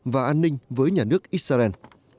và an ninh với nhà nước israel